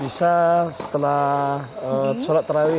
bisa setelah sholat terawih